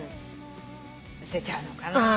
捨てちゃうのかな？